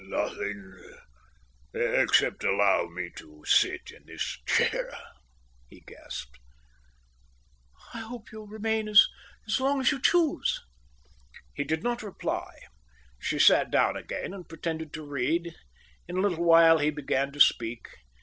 "Nothing, except allow me to sit in this chair," he gasped. "I hope you'll remain as long as you choose." He did not reply. She sat down again and pretended to read. In a little while he began to speak.